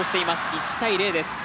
１−０です。